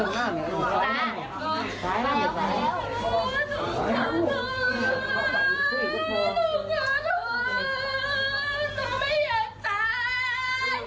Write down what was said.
หนูไม่อยากตายมันชาวหนูชอบต้นตาย